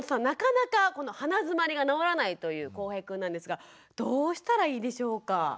なかなかこの鼻づまりが治らないというこうへいくんなんですがどうしたらいいでしょうか？